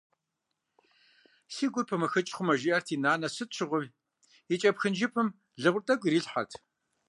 Си гур пымэхыкӏ хъумэ, жиӏэрти, нанэ сыт щыгъуи и кӏэпхын жыпым лыгъур тӏэкӏу иригъэлъырт.